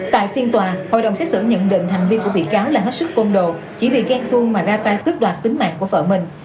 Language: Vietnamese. tại phiên tòa hội đồng xét xử nhận định hành vi của bị cáo là hết sức côn đồ chỉ vì ghen tuông mà ra tay cướp đoạt tính mạng của vợ mình